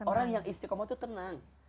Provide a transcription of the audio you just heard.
orang yang istiqomah itu tenang